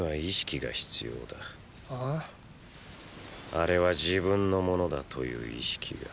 あれは自分のものだという意識が。